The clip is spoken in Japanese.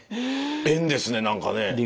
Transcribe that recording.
縁ですねなんかね。